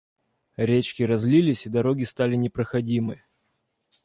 Речки разлились, и дороги стали непроходимы.